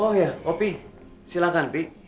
oh ya opie silakan bi